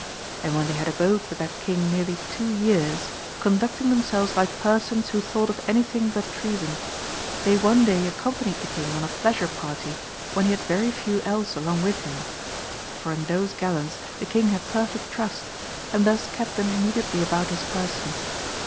And when they had abode with that King nearly two 10 MARCO POLO. Book II. years, conducting themselves like j)ersons who thought of anything but treason, they one day accompanied the King on a pleasure party when he had very few else along with him ; for in those gallants the King had perfect trust, and thus kept them immediately .about his person.